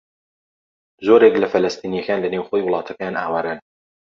زۆرێک لە فەلەستینییەکان لە نێوخۆی وڵاتەکەیان ئاوارەن.